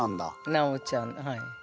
なおちゃんはい。